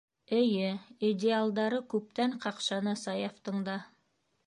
Эйе, идеалдары күптән ҡаҡшаны Саяфтың да.